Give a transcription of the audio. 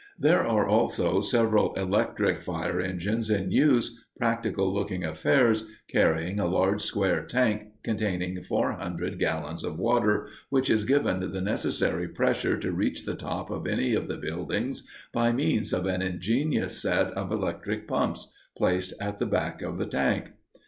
There are also several electric fire engines in use, practical looking affairs, carrying a large square tank containing four hundred gallons of water, which is given the necessary pressure to reach the top of any of the buildings by means of an ingenious set of electric pumps placed at the back of the tank.